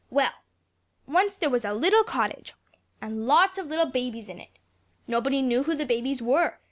Well! "Once there was a little cottage, and lots of little babies in it. Nobody knew who the babies were.